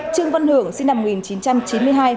trương văn hưởng sinh năm một nghìn chín trăm chín mươi hai